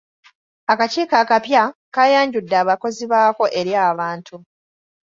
Akakiiko akapya kaayanjudde abakozi baako eri abantu.